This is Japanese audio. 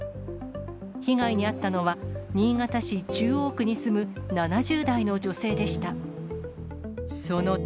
被害に遭ったのは、新潟市中央区に住む７０代の女性でした。